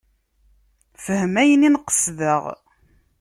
Fhem ayen i n-qesdeɣ.